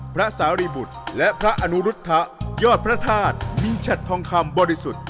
พระสาริบุตรและพระอนุรุธยอดพระธาตุมีฉัดทองคำบริสุทธิ์